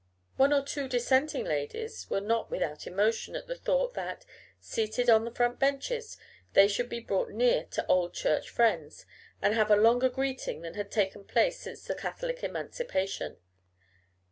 One or two Dissenting ladies were not without emotion at the thought that, seated on the front benches, they should be brought near to old Church friends, and have a longer greeting than had taken place since the Catholic Emancipation.